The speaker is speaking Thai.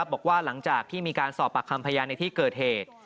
บอกว่าหลังจากที่มีการสอบปากคำพยานในที่เกิดเหตุ